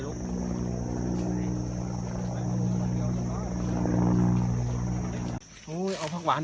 และที่สุดท้ายและที่สุดท้าย